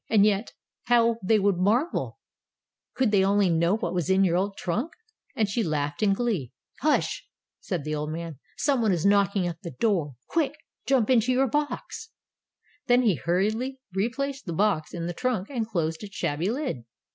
"And yet, how they would marvel, could they only know what was in your old trunk." And she laughed in glee. "Hush!" said the old man, "someone is 1 66 Tales of Modem Germany knocking at the door. Quick! Jump into your box!'' Then he hurriedly replaced the box in the trunk, and closed its shabby lid.